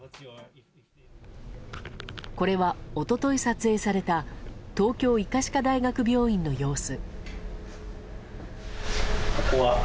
これは一昨日撮影された東京医科歯科大学病院の様子。